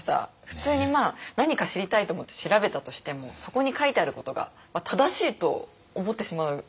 普通に何か知りたいと思って調べたとしてもそこに書いてあることが正しいと思ってしまう。